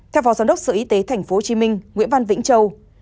theo phó giám đốc sở y tế tp hcm nguyễn văn vĩnh châu